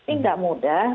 ini tidak mudah